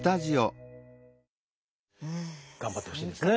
頑張ってほしいですね。